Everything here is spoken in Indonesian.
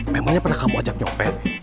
memangnya pernah kamu ajak nyopet